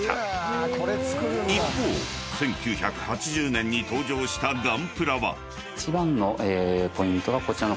［一方１９８０年に登場したガンプラは］